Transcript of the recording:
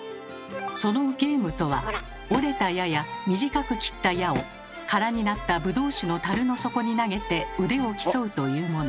そのゲームとは折れた矢や短く切った矢を空になったブドウ酒のタルの底に投げて腕を競うというもの。